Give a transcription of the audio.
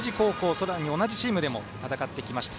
さらに同じチームでも戦ってきました。